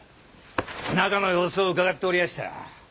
中の様子をうかがっておりやした。